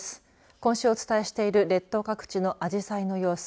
今週お伝えしている、列島各地のあじさいの様子